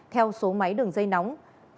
theo số máy đường dây nóng